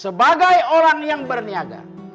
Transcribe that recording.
sebagai orang yang berniaga